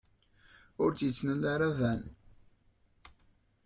Ur tt-yettnal ara Dan.